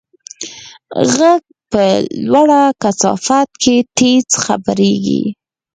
غږ په لوړه کثافت کې تېز خپرېږي.